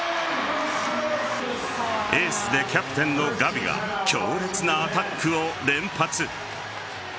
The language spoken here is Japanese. エースでキャプテンのガビが強烈なアタックを連発。